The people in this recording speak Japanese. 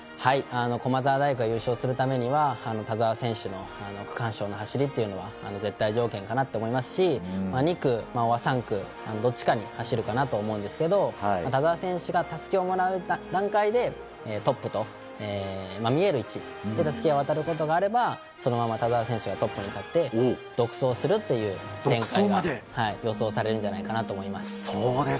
駒澤大学が優勝するためには田澤選手の区間賞の走りというのが絶対条件かなと思いますし２区、３区、どちらかを走ると思うんですけど田澤選手がたすきをもらう段階でトップと見える位置にたすきが渡ることがあればそのまま田澤選手がトップに立って独走するという展開が予想されるんじゃないかなと思います。